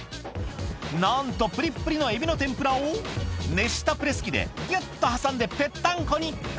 なんとぷりっぷりのえびの天ぷらを、熱したプレス機でぎゅっと挟んでぺったんこに。